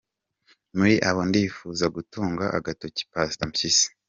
Muri abo ndifuza gutunga agatoki Pastor Mpyisi.